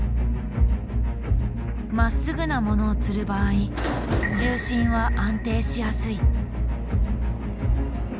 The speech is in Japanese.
まっすぐなものをつる場合重心は安定しやすい。